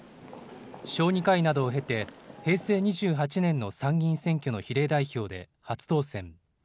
小児科医などを経て、平成２８年の参議院選挙の比例代表で初当選。